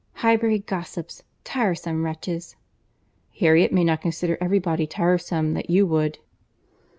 "Highbury gossips!—Tiresome wretches!" "Harriet may not consider every body tiresome that you would."